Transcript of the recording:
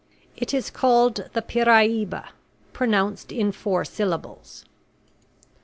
It is called the piraiba pronounced in four syllables.